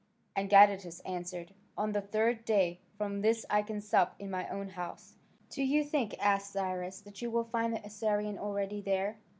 And Gadatas answered, "On the third day from this I can sup in my own house." "Do you think," asked Cyrus, "that you will find the Assyrian already there?"